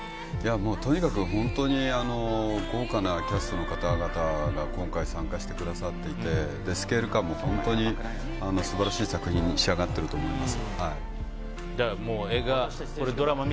とにかく本当に豪華なキャストの方々が今回、参加してくださっていてスケール感も本当に素晴らしい作品に仕上がっていると思います。